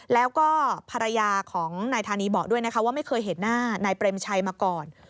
แล้วก็ภรรยาของนายธานีบอกด้วยนะคะว่าไม่เคยเห็นหน้านายเปรมชัยมาก่อน